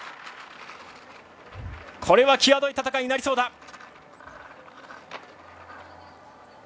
これは際どい戦いになりそうだ。